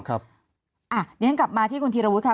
อันนี้กลับมาที่คุณธิรวุชค่ะ